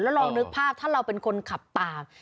แล้วลองนึกภาพถ้าเราเป็นคนขับตาม